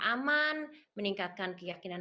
aman meningkatkan keyakinan